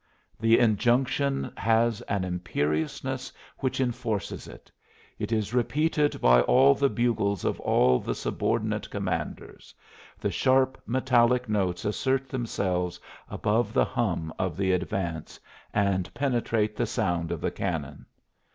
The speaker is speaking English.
_ The injunction has an imperiousness which enforces it. It is repeated by all the bugles of all the sub ordinate commanders; the sharp metallic notes assert themselves above the hum of the advance and penetrate the sound of the cannon.